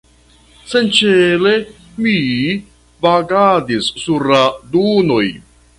Sencele mi vagadis sur la dunoj.